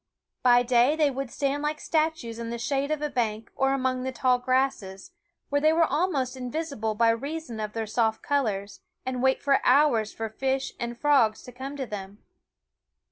By day they would stand like statues in the shade of a bank or among the tall grasses, where they were almost invisible by reason of their soft colors, and wait for hours for fish and frogs to come to them.